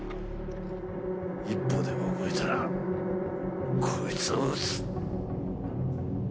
一歩でも動いたらこいつを撃つ！